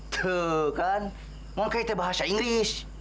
tuh kan monke itu bahasa inggris